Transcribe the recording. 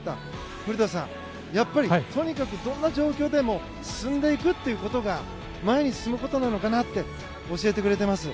古田さんどんな状況でも進んでいくということが前に進むことなのかなって教えてくれてます。